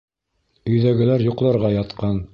Өйҙәгеләр йоҡларға ятҡан.